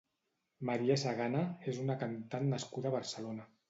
María Sagana és una cantant nascuda a Barcelona.